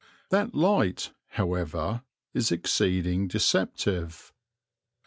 That light, however, is exceeding deceptive.